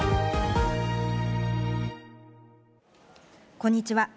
こんにちは。